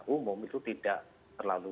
umum itu tidak terlalu